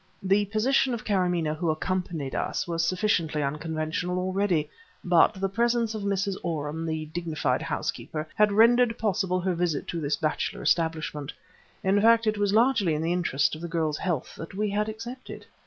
The position of Kâramaneh, who accompanied us, was sufficiently unconventional already, but the presence of Mrs. Oram, the dignified housekeeper, had rendered possible her visit to this bachelor establishment. In fact it was largely in the interests of the girl's health that we had accepted.